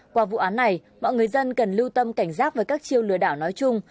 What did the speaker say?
qua vụ án này mọi người dân cần lưu tâm cảnh giác với các chiêu lừa đảo nói chung